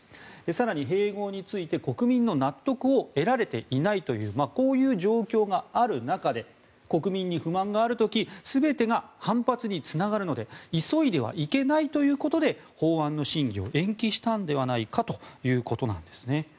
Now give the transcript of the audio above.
更に、併合について国民の納得を得られていないというこういう状況がある中で国民に不満がある時全てが反発につながるので急いではいけないということで法案の審議を延期したのではないかということです。